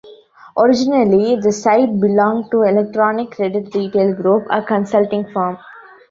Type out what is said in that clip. Originally the site belonged to Electronic Credit Retail Group, a consulting firm.